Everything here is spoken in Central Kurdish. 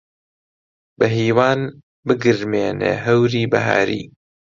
بەهیوان بگرمێنێ هەوری بەهاری